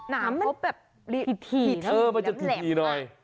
น้ำเขาแบบถิดถี่นะ